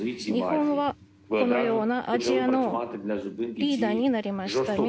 日本はこのようなアジアのリーダーになりました。